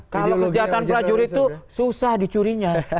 kalau kesejahteraan prajurit itu susah dicurinya